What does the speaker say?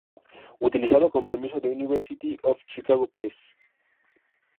Utilizado con permiso de University of Chicago Press.